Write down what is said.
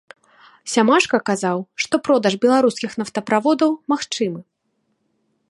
Сямашка казаў, што продаж беларускіх нафтаправодаў магчымы.